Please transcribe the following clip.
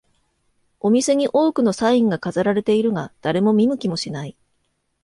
お店に多くのサインが飾られているが、誰も見向きもしない